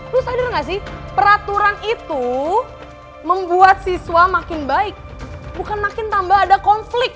terus sadar gak sih peraturan itu membuat siswa makin baik bukan makin tambah ada konflik